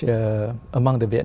của người việt